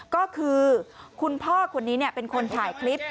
ก็คือคุณพ่อคนนี้เป็นคนถ่ายคลิป